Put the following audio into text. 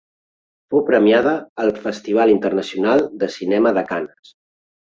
Fou premiada al Festival Internacional de Cinema de Canes.